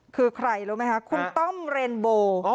คือใครรู้ไหมคะคุณต้อมเรนโบ